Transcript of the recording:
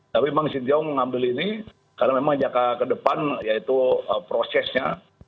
tapi memang xinjiang mengambil ini karena memang jangka kedepan yaitu prosesnya